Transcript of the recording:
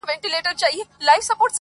زما خو ټوله كيسه هر چاته معلومه.